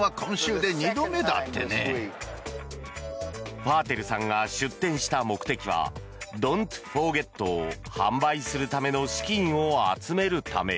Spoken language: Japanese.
ファーテルさんが出展した目的はＤｏｎ’ｔＦｏｒｇｅｔを販売するための資金を集めるため。